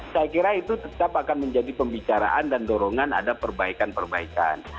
saya kira itu tetap akan menjadi pembicaraan dan dorongan ada perbaikan perbaikan